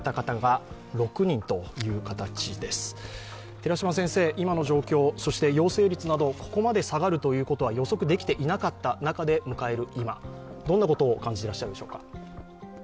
寺嶋先生、今の状況、陽性率など、とここまで下がると予測できていなかった中で迎える今、どんなことを感じていらっしゃるんでしょうか？